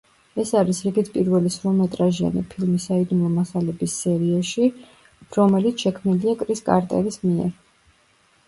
ეს არის რიგით პირველი სრულმეტრაჟიანი ფილმი „საიდუმლო მასალების“ სერიაში, რომელიც შექმნილია კრის კარტერის მიერ.